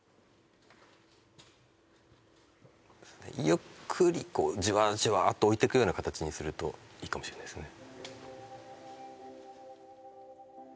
ゆっくりじわじわっと置いていくような形にするといいかもしれないですね